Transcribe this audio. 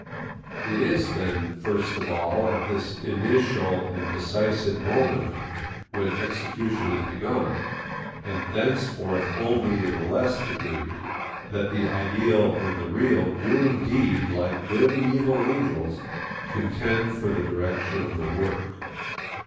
It is, then, first of all, at this initial and decisive moment when execution is begun, and thenceforth only in a less degree, that the ideal and the real do indeed, like good and evil angels, contend for the direction of the work.